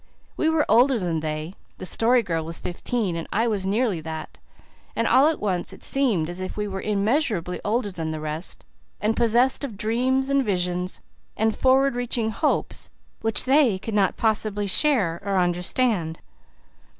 We were older than they the Story Girl was fifteen and I was nearly that; and all at once it seemed as if we were immeasurably older than the rest, and possessed of dreams and visions and forward reaching hopes which they could not possibly share or understand.